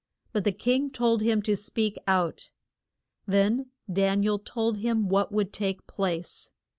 But the king told him to speak out. Then Dan i el told him what would take place.